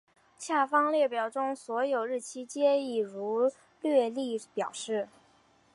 下方列表中所有日期皆以儒略历表示。